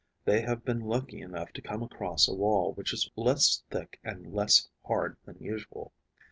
They have been lucky enough to come across a wall which is less thick and less hard than usual.